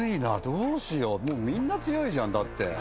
どうしようみんな強いじゃんだって。